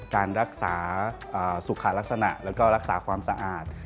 การรักษาสุขาลักษณะแล้วก็รักษาความสะอาด